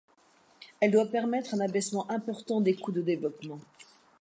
Elle doit permettre un abaissement important des coûts de développement.